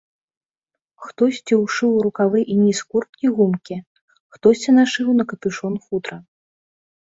Хтосьці ўшыў у рукавы і ніз курткі гумкі, хтосьці нашыў на капюшон футра.